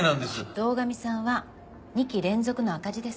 堂上さんは２期連続の赤字です。